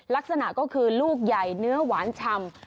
ลักษณะก็คือลูกใหญ่เนื้อหวานชำ